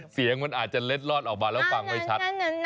เสียงมันอาจจะเล็ดลอดออกมาแล้วฟังไม่ชัด